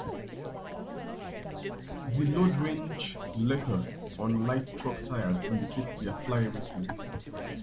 The Load Range Letter on light-truck tires indicates their ply rating.